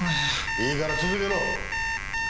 いいから続けろ！